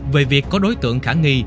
về việc có đối tượng khả nghi